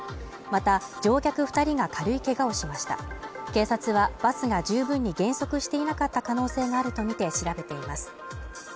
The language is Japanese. また乗客二人が軽いけがをしました警察はバスが十分に減速していなかった可能性があるとみて調べています